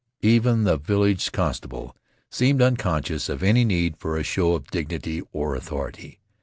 Even the village constable seemed unconscious of any need for a show of dignity or authority.